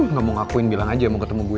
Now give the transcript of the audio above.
lo gak mau ngakuin bilang aja mau ketemu gue